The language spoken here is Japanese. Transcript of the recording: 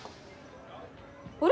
あれ！？